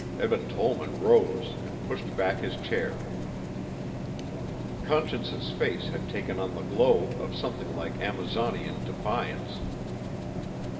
Eben Tollman rose and pushed back his chair. Conscience's face had taken on the glow of something like Amazonian defiance.